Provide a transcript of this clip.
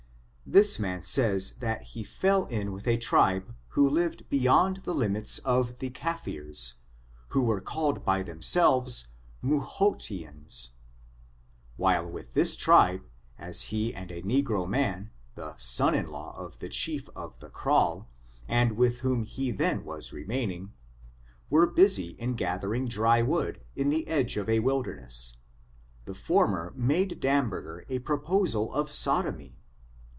This man says that he fell in with a tribe, who lived beyond the limits of the Caffrees, who were called by themselves, Muhotians. While with this tribe, as he and a negro man, the son in law of the chief of the krall, and with whom he then was remaining, were busy in gathering dry wood, in the edge of a wilderness, the former made Damberger a proposal of Sodomy.